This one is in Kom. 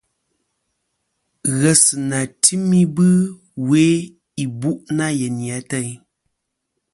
Ghesɨnà tɨm ibɨ we ìbu' nâ yeyni ateyn.